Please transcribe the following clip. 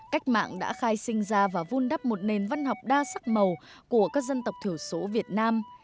cách mạng đã khai sinh ra và vun đắp một nền văn học đa sắc màu của các dân tộc thiểu số việt nam